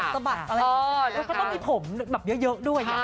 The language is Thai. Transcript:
แล้วก็ต้องมีผมเยอะด้วย